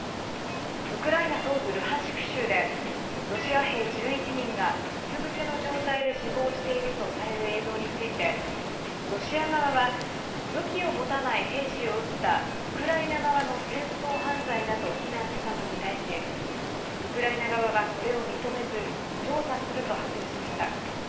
ウクライナ東部ルハンシク州でロシア兵１１人がうつ伏せの状態で死亡しているとされる映像についてロシア側は武器を持たない兵士を撃ったウクライナ側の戦争犯罪だと非難したのに対しウクライナ側は、これを認めず調査すると発表しました。